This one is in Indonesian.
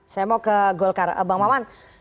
saya mau ke golkar bang maman